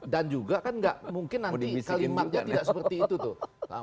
dan juga kan nggak mungkin nanti kalimatnya tidak seperti itu tuh